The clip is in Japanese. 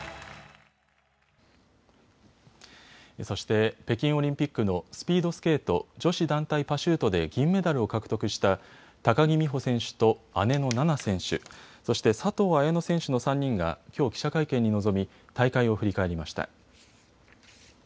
そして北京オリンピックのスピードスケート女子団体パシュートで銀メダルを獲得した高木美帆選手と、姉の菜那選手、そして佐藤綾乃選手の３人がきょう記者会見に臨み大会を振り返りました。